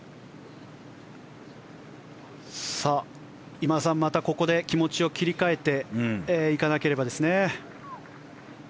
今田さん、またここで気持ちを切り替えて行かなければですね。